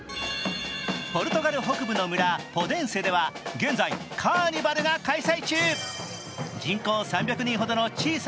ポルトガル北部の村、ポデンセでは現在、カーニバルが開催中。